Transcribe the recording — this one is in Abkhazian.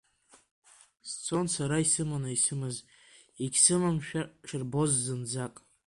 Сцон сара исыманы исымаз, егьсымамшәа шырбоз зынӡак.